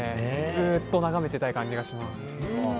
ずっと眺めていたい感じがします。